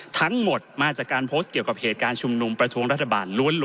ทั้งหมดมาจากการโพสต์เกี่ยวกับเหตุการณ์ชุมนุมประท้วงรัฐบาลล้วน